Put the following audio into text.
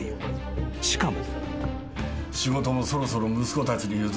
［しかも］